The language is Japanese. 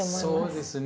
そうですね。